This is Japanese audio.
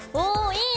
いい！